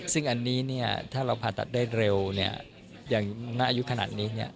ซึ่งอันนี้เนี่ยถ้าเราผ่าตัดได้เร็วอย่างณอายุขนาดนี้เนี่ย